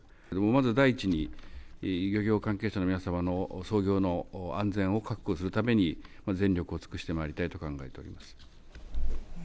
まず第一に、漁業関係者の皆様の操業の安全を確保するために、全力を尽くしてまいりたいと考えております。